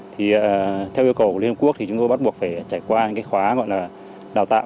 thì theo yêu cầu của liên hợp quốc thì chúng tôi bắt buộc phải trải qua những cái khóa gọi là đào tạo